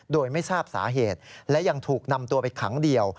โดยไม่ทราบสาเหตุและยังถูกนำตัวไปขังเดียว